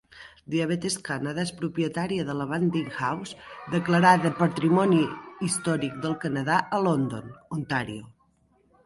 Diabetes Canada és propietària de la Banting House, declarada patrimoni històric del Canadà, a London, Ontario.